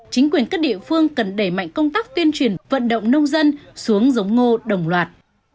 chính quyền các địa phương cần đẩy mạnh công tác tuyên truyền vận động nông dân xuống giống ngô đồng loạt